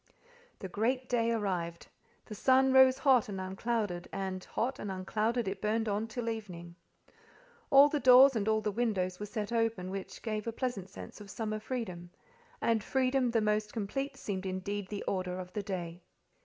The great day arrived. The sun rose hot and unclouded, and hot and unclouded it burned on till evening. All the doors and all the windows were set open, which gave a pleasant sense of summer freedom—and freedom the most complete seemed indeed the order of the day.